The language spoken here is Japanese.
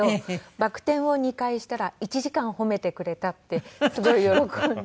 「バク転を２回したら１時間褒めてくれた」ってすごい喜んで。